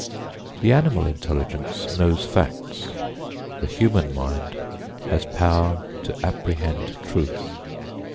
The animal intelligence knows facts, the human mind has power to apprehend truth.